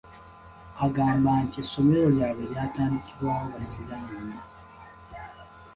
Agamba nti essomero lyabwe lyatandikibwawo Basiraamu.